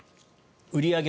売り上げ